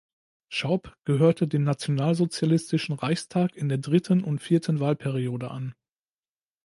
Schaub gehörte dem nationalsozialistischen Reichstag in der dritten und vierten Wahlperiode an.